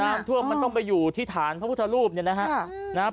น้ำท่วมมันต้องไปอยู่ที่ฐานพระพุทธรูปเนี่ยนะครับ